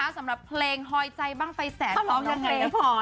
สำหรับเพลงหมอน้องเพลง